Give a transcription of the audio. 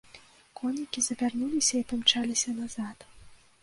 Коннікі завярнуліся і памчаліся назад.